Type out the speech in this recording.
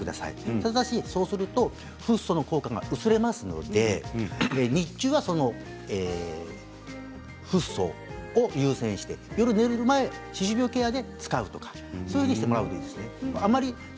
ただしそうするとフッ素の効果が薄れますので日中はフッ素を優先して夜寝る前、歯周病ケアで使うとかそのようにしてもらうといいですね。